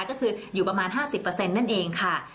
ก็คืออยู่ประมาณ๕๐นั่นเองค่ะ